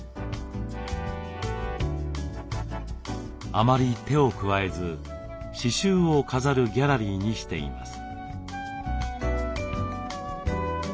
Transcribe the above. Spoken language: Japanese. あまり手を加えず刺しゅうを飾るギャラリーにしています。